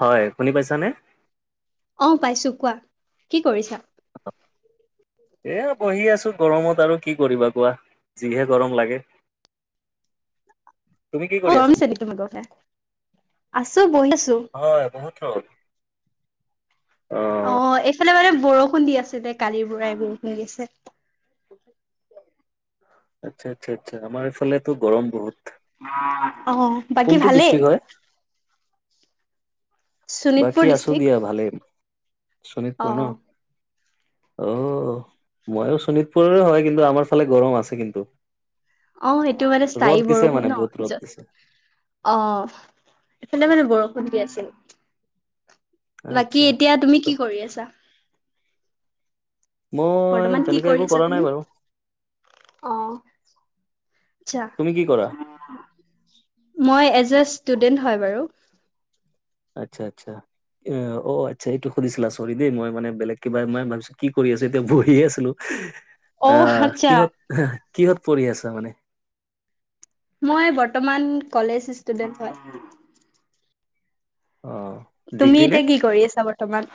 হয় শুনি পাইছানে। অ' পাইছোঁ কোৱা কি কৰিছা? এয়া বহি আছো গৰমত আৰু কি কৰিবা কোৱা যিহে গৰম লাগে। [inaudible] অ' আছা? গমছে নে তোমোকতে আছো বহি আছো। হয় বহুত। অ'। অ' এইফালে মানে বৰষুণ দি আছিলে কালিৰ বুঢ়াই বৰষুণ দি আছে। আচ্ছা আচ্ছা আচ্ছা আমাৰ এইফালেতো গৰম বহুত। অ' বাকী কোনটো ভালেই? ডিষ্ট্ৰিক্ট হয়? শোণিতপুৰ বাকী আছো ডিষ্ট্ৰিক্ট দিয়া ভালে অ শোণিতপুৰ ন। অ' ময়ো শোণিতপুৰৰে হয় কিন্তু আমাৰ ফালে গৰম আছে কিন্তু। অ' সেইটো মানে ৰ'দ স্থায়ী দিছে মানে বৰষুণ ন বহুত ৰ'দ য দিছে। অ' এইফালে মানে বৰষুণ দি আছিল। বাকী আচ্ছা এতিয়া তুমি কি কৰি আছা? মই বৰ্তমান কি তেনেকে কৰি একো আছা কৰা তুমি নাই বাৰু। অ আচ্ছা তুমি কি কৰা? মই এজ এ ষ্টুডেন্ট হয় বাৰু। আচ্ছা আচ্ছা। অ', অ' আচ্ছা এইটো সুধিছিলা চৰি দেই মই মানে বেলেগ কিবা মই ভাবিছো কি কৰি আছো এতিয়া বহিয়ে আছিলো। অ আহ আচ্ছা কিহত কিহত পৰিঢ় আছ মানে? মই বৰ্তমান কলেজ ষ্টুডেন্ট হয়। অ'। তুমি ডিগ্ৰী নে এতিয়া কি কৰি আছা বৰ্তমান?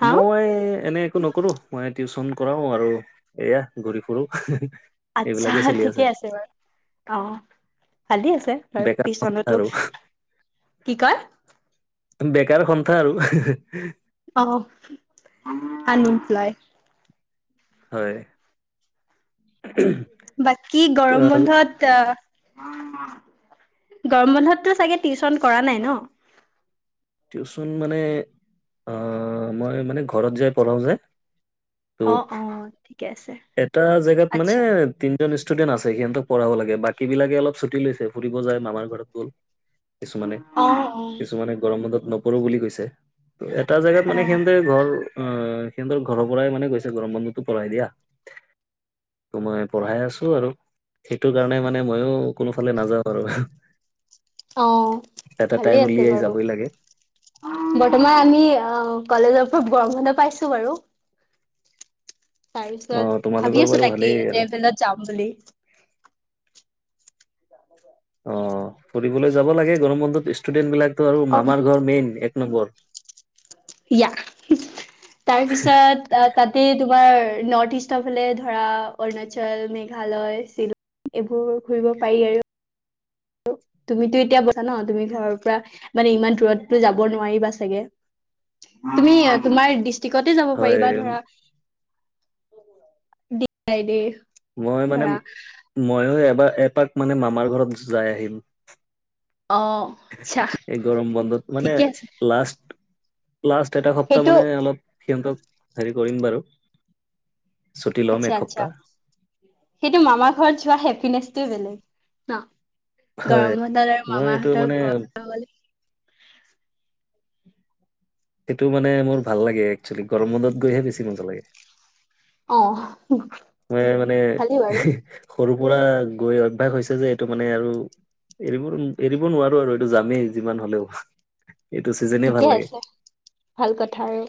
হা মই এনেই একো নকৰোঁ। মই টিউচন কৰাওঁ আৰু, এয়া ঘূৰি ফুুৰো। আচ্ছা ঠিকে আছে বাৰু। অ'। ভালি আছে আৰু বেকাৰ সন্থা পিছলৈতো, আৰু কি কয়? বেকাৰ সন্থা আৰু। অ', আনএমপ্লয়। হয়। বাকী গৰম বন্ধত তা, গৰম বন্ধততো চাগে টিউচন কৰা নাই ন। টিউচন মানে, অ', মই মানে ঘৰত যাই পঢ়াওঁ যে। ত' অ', অ', ঠিকে আছে। আচ্ছা। তিনিজন ষ্টুডেণ্ট আছে সিহঁতক পঢ়াব লাগে বাকী বিলাকে অলপ ছুটী লৈছে, ফুৰিব যায় মামাৰ ঘৰত গ'ল। কিছুমানে, অ অ কিছুমানে গৰম বন্ধত নপৰো বুলি কৈছে, এটা জোগাত অ মানে সিহঁতে ঘৰ, অ', সিহঁতৰ ঘৰৰ পৰাই মানে কৈছে গৰম বন্ধটো পৰাই দিয়া। ত' মই পঢ়াই আছো আৰু। সেইটো কাৰণে মানে মইয়ো কোনোফালে নাযাওঁ আৰু। এটা টাইম অ'ভালেই আছে উলিয়াই বাৰু। যাবই লাগে বৰ্তমান আমি, অ', কলেজৰ পৰা গৰম বন্ধ পাইছো বাৰু। তাৰ অ পিছত তোমালোকৰ ভাবি আছো বাৰু তাকে, ভালেই আৰু ডেৰাডুনত যাম বুলি। [unintelligible] অ', ফুৰিবলৈ যাব লাগে গৰম বন্ধত ষ্টুডেন্ট বিলাকতো আৰু অ মামাৰ ঘৰ মেইন এক নম্বৰ। ইয়া। তাৰ পিছত, তাতে তোমাৰ, নৰ্থ ইষ্টৰ ফালে ধৰা অৰুণাচল, মেঘালয়, শিল এইবোৰ ঘুৰিব পাৰি আৰু। তুমিতো এতিয়া কৈছা ন, তুমি ঘৰৰ পৰা মানে ইমান দূৰততো যাব নোৱাৰিবা চাগে! তুমি তোমাৰ দিচ তিকতে যাব পাৰিবা হয় ধৰা, দে বাই দে। মই মানে, ময়ো এবাৰ এপাক মানে মামাৰ ঘৰত যাই আহিম। অ আচ্ছা এ, গৰম বন্ধত মানে ঠিকে আছে লাষ্ট, লাষ্ট এটা সপ্তাহ সেইটো মানে অলপ সিহঁতক হেৰি কৰিম বাৰু। ছুটি ল'ম আচ্ছা আচ্ছা, এসপ্তাহ সেইটো মামাৰ ঘৰত যোৱা হেপিনেচটোৱে বেলেগ, ন? হয় গৰম বন্ধত আৰু মই এইটো মামাহঁতৰ মানে ঘৰত নগলে সেইটো মানে মোৰ ভাল লাগে এক্চুৱেলি, গৰম বন্ধত গৈহে বেছি মজা লাগে। অ'। মই মানে, ভালেই বাৰু সৰু পৰা গৈ অভ্যাস হৈছে যে এইটো মানে আৰু এৰিব, এৰিব নোৱাৰো আৰু এইটো যামেই, যিমান হ'লেও। এইটো চিজে ঠিকে আছে। ভাল কথা আৰু।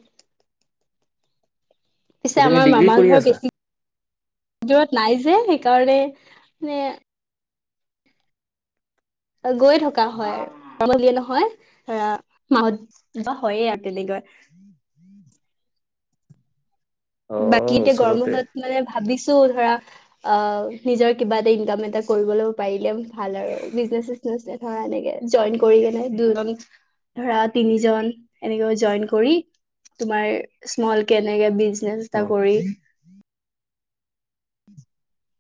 পিছে তুমি আমাৰ ডিগ্ৰী মামা পঢ়ি ঘৰ আছা বেছি, দূৰত নাই যে সেইকাৰণে, মানে গৈ থকা হয়, সলনিয়ে নহয়। ধৰা, মাহত [unintelligible] হয়ে আৰু তেনেকৈ। অ বাকী এতিয়া গৰম ওচৰতে বন্ধত মানে ভাবিছো, ধৰা অ', নিজৰ কিবা এটা ইনকাম এটা কৰিবলও পাৰিলে ভাল আৰু বিজনেছ চিজনেচ ধৰা এনেকে, জইন কৰি কেনে দুজন, ধৰা তিনিজন। এনেকে জইন কৰি, তোমাৰ স্মলকে এনেকে বিজনেচ অ এটা কৰি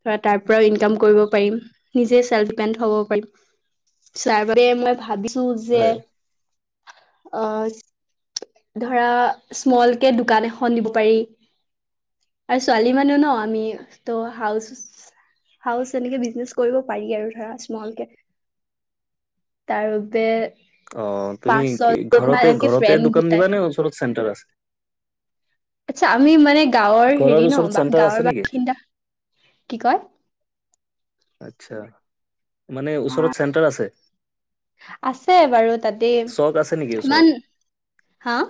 ধৰা, তাৰ পৰাও ইনকাম কৰিব পাৰিম, নিজে চেল্ফ ডিপেণ্ড হ'ব পাৰিম। [unintelligible] মই ভাবিছো যে, হয় অ'। ধৰা, স্মল কে দোকান এখন দিব পাৰি। আৰু ছোৱালী মানুহ ন আমি। ত' হাউচ, হাউচ এনেকে বিজনেচ কৰিব পাৰি আৰু ধৰা স্মল কে। তাৰ বে অ', তুমি কি ঘৰতে ঘৰতে ফ্ৰেণ্ড দোকান গোটাই দিবা নে ওচৰত চেণ্টাৰ আছে? আচ্ছা আমি মানে গাঁৱৰ ঘৰৰ হেৰি ওচৰত ন' চেণ্টাৰ আছে গাঁৱৰ নেকি? বাসিন্দা কি কয়? আচ্ছা মানে ওচৰত চেণ্টাৰ আছে? আছে বাৰু তাতেই চক আছে নেকি ওচৰত? ইমান হাঁ?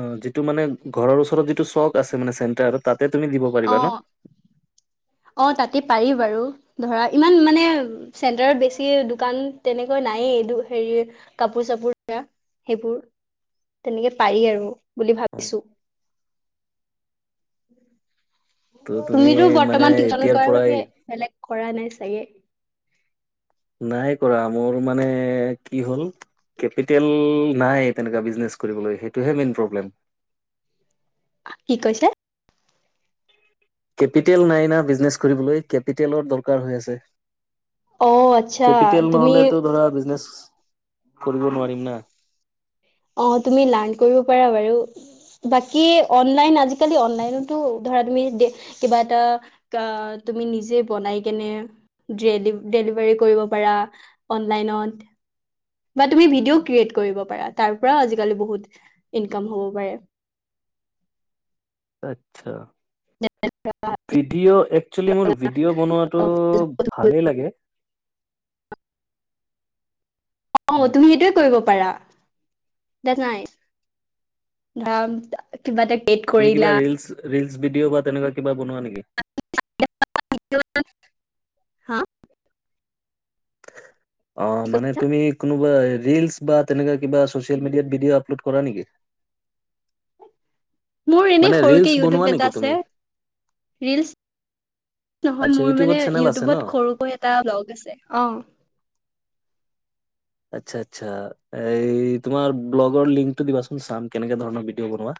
অ', যিটো মানে ঘৰৰ ওচৰত যিটো চক আছে মানে চেণ্টাৰ তাতে তুমি দিব অ পাৰিবা ন? [inaudible] অ', তাতে পাৰি বাৰু ধৰা ইমান মানে চেণ্টাৰত বেছি দোকান তেনেকৈ নায়েই, এই হেৰি কাপোৰ চাপোৰ সেইবোৰ তেনেকে পাৰি আৰু বুলি অ ভাবিছোঁ। ত তুমি তুমিতো মানে বৰ্তমান টিউচনত এতিয়াৰ কৰাৰ পৰাই বাহিৰে বেলেগ কৰা নাই চাগে? নাই কৰা মোৰ মানে কি হ'ল কেপিটেল নাই তেনেকুৱা বিজনেছ কৰিবলৈ সেইটোহে মেইন প্ৰব্লেম। কি কৈছা? কেপিটেল নাই না বিজনেছ কৰিবলৈ, কেপিটেলৰ দৰকাৰ হৈ আছে। অ' আচ্ছা কেপিটেল তুমি নহলেতো ধৰা বিজনেছ কৰিব নোৱাৰিম না। অ', তুমি লাৰ্ন কৰিব পাৰা বাৰু বাকী অনলাইন আজিকালি অনলাইনতো ধৰা তুমি কিবা এটা অ', তুমি নিজে বনাই কেনে ডেল ডেলিভাৰী কৰিব পাৰা অনলাইনত। বা তুমি ভিডিঅ ক্ৰিয়েট কৰিব পাৰা, তাৰ পৰাও আজিকালি বহুত ইনকাম হ'ব পাৰে। আচ্ছা। ভিডিঅ' একচুৱেলি মোৰ ভিডিঅ' বনোৱাটো ভালেই লাগে। অ', উম, তুমি সেইটোৱে কৰিব পাৰা। দেটছ নাইচ [unintelligible] কিবা এটা তুমি কৰিলা কিবা ৰিলচ, ৰিলচ ভিডিঅ' বা তেনেকুৱা কিবা বনোৱা নেকি? [unintelligible] হা অ', কি মানে কৈছা? তুমি কোনোবা ৰিলচ বা তেনেকুৱা কিবা ছ'চিয়েল মিডিয়াত ভিডিঅ' আপলোড কৰা নেকি? মোৰ এনে মানে সৰুকে ৰিলচ ইউটিউব বনোৱা এটা নেকি আছে তুমি? ৰিলচ নহয় আচ্ছা মোৰ ইউটিউবত মানে চেনেল আছে ন? ইউটিউবত সৰুকৈ এটা ব্লগ আছে অ', আচ্ছা আচ্ছা, এই তোমাৰ ব্লগৰ লিংকটো দিবাচোন চাম কেনেকে ধৰণৰ ভিডিঅ' বনোৱা।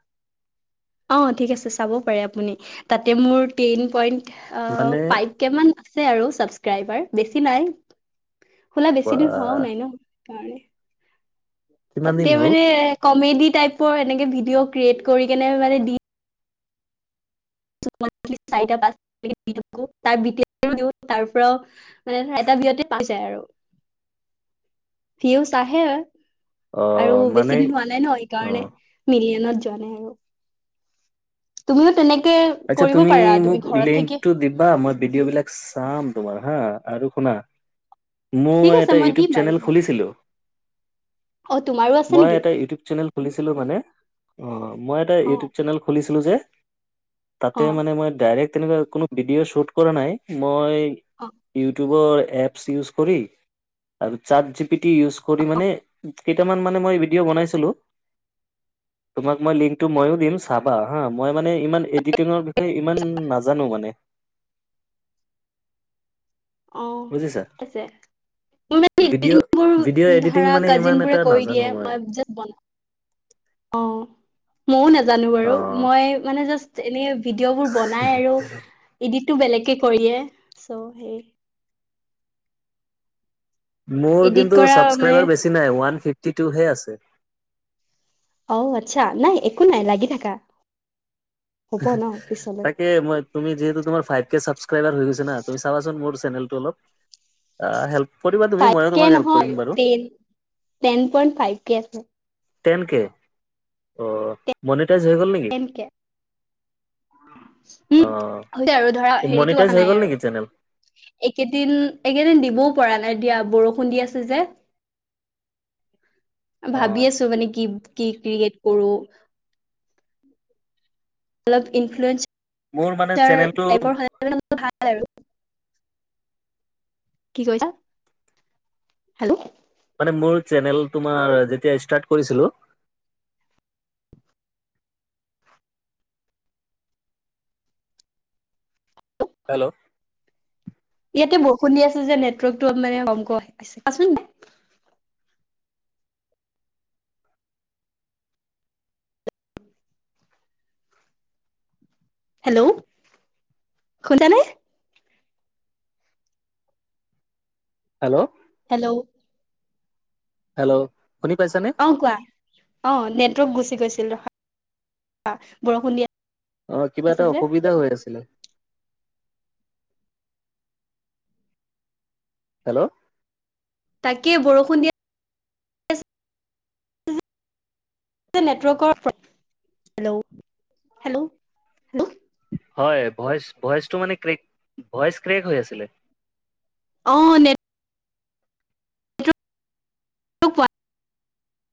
অ' ঠিক আছে চাব পাৰে আপুনি তাতে মোৰ টেইন পইণ্ট মানে ফাইভ কেমান আছে আৰু ছাবস্ক্ৰাইবাৰ, বেছি নাই খোলা বেছি দিন বাহ হোৱাও নাই ন' কাৰে কিমান তাতে দিন হ'ল মানে কমেডি টাইপৰ এনেকে ভিডিঅ ক্ৰিয়েট কৰি কেনে মানে দি [unintelligible] চৰিতা পাঁচতা কে দি থাকোঁ [unintelligible] তাৰপৰাও মানে ধৰা এটা ভিউতে [unintelligible] যায় আৰু ভিউচ আহে আৰু। আৰু অ' মানে বেছি দিন হোৱা নাই ন' সেইকাৰণে অ' মিলিয়নত যোৱা নাই আৰু। তুমিয়ো তেনেকে আচ্ছা কৰিব তুমি পাৰা মোক ঘৰত থাকি লিংকটো দিবা মই ভিডিঅ' বিলাক চাম তোমাৰ হা আৰু শুনা ঠিক মই আছে এটা ইউটিউব দিম বাৰু চেনেল তোমাক খুলিছিলোঁ, অ তোমাৰো আছে মই নেকি এটা ইটিউ চেনেল খুলিছিলোঁ মানে অ, মই এটা অ ইউটিউব চেনেল খুলিছিলোঁ যে তাতে অ মানে মই ডাইৰেক্ট তেনেক কোনো ভিডিঅ শুট কৰা নাই মই অ ইউ ইউটিউবৰ এপছ ইউজ কৰি আৰু চাট জিপিটি ইউজ কৰি অ মানে কেইটামান মানে মই ভিডিঅ' বনাইছিলোঁ। তোমাক মই লিংকটো ময়ো দিম চাবা হাঁ, মই মানে ইমান এডিটিঙৰ বিষয়ে ইমান নাজানো মানে। অ', বুজিছা ঠিক আছে। মোৰ মানে ভিডিঅ' এডিটিংবোৰ ভিডিঅ' এডিটিং ধৰা মানে ইমান কাজিন এটা বুৰেই কৰি নাজানো দিয়ে মই জাষ্ট বনাওঁ। অ', ময়ো নাজানো অ বাৰু, মই মানে জাষ্ট এনে ভিডিঅ'বোৰ বনাই আৰু ইডিততো বেলেগকে কৰি দিয়ে। চৌ সেই মোৰ এডিট কিন্তু কৰা মানে চাবস্ক্ৰাইবাৰ বেছি নাই। ওৱান ফিফটি টুহে আছে। অ', আচ্ছা। নাই একো নাই লাগি থাকা। হ'ব ন পিছলৈ তাকে মই তুমি যিহেতু তোমাৰ ফাইভ কে চাবস্ক্ৰাইবাৰ হৈ গৈছে না। তুমি চাবাচোন মোৰ চেনেলটো অলপ। অ', হেল্প কৰিবা তুমি ফাইভ ময়ো কে তোমাক হেল্প কৰিম নহয় বাৰু ten, ten point five K আছে। টেন কে অ', মনিটাইজ হৈ গ'ল নি? Ten K. অ উম, হৈছে আৰু ধৰা হেৰিতো মনিটাইজ অহা হৈ নাই গ'ল আৰু। নেকি চেনেল এইকেইদিন এইকেইদিন দিবও পৰা নাই দিয়া। বৰষুণ দি আছে যে। অ ভাবি আছো মানে কি কি ক্ৰিয়েট কৰো। অলপ মোৰ মানে ইনফ্লুৱেন্স আৰ চেনেলটো টাইপৰ হ'লে ভাল আৰু। কি কৈছা? হেল্ল'! মানে মোৰ চেনেল তোমাৰ যেতিয়া ষ্টাৰ্ট কৰিছিলো হেল্ল'! ইয়াতে বৰষুণ দি আছে যে নেটৱৰ্কটো অৱ মানে [unintelligible] আহিছে। কোৱাচোন। হেল্ল'! শুনচানে? হেল্ল'! হেল্ল'! হেল্লো! শুনি পাইছা নে? অ', কোৱা। অ', নেটৱৰ্ক গুচি গৈছিল ৰখা [inaudible] বৰষুণ দি অ', কিবা এটা আছে যে। অসুবিধা হৈ আছিলে। হেল্লো! তাকে বৰষুণ দি নেটৱৰ্কৰ [inaudible] হেল্লো হেল্লো! হয় ভইচ ভইচটো মানে ক্ৰেক, ভইচ ক্ৰেক হৈ আছিলে। অ', নে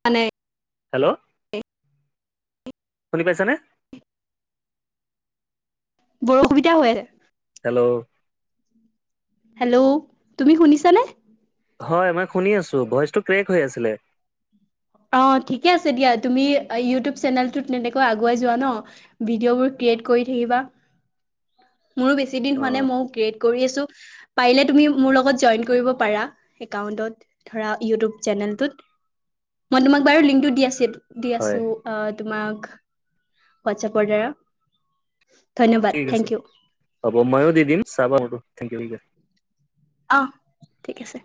মানে হেল্লো! শুনি পাইছনে? বৰ অসুবিধা হৈ আছে। হেল্ল'! হেল্ল'! তুমি শুনিছানে? হয়, মই শুনি আছো। ভইচটো ক্ৰেক হৈ আছিলে। অ', ঠিকে আছে দিয়া। তুমি ইউটিউব চেনেলটোত তেনেকৈ আগুৱাই যোৱা ন। ভিডিঅ'বোৰ ক্ৰিয়েট কৰি থাকিবা। মোৰো বেছি দিন হোৱা অ নাই। ময়ো ক্ৰিয়েট কৰি আছো। পাৰিলে তুমি মোৰ লগত জইন কৰিব পাৰা। একাউন্টত ধৰা ইউটিউব চেনেলটোত। মই তোমাক বাৰু লিংকটো দি আছো। দি হয় আছো। অহ, তোমাক হোৱাটছএপৰ দ্বাৰা। ধন্যবাদ ঠিক থেংক আছে। ইউ হ'ব, ময়ো দি দিম চাবা মোৰটো। থেংক ইউ, ঠিক আছে। অহ, ঠিক আছে।